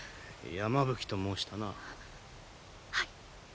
山吹と申したな。ははい。